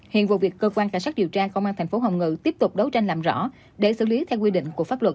hiện vụ việc cơ quan cảnh sát điều tra công an thành phố hồng ngự tiếp tục đấu tranh làm rõ để xử lý theo quy định của pháp luật